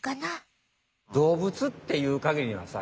動物っていうかぎりはさ